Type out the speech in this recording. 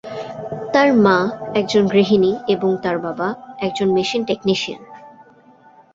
তাঁর মা একজন গৃহিণী এবং তাঁর বাবা একজন মেশিন টেকনিশিয়ান।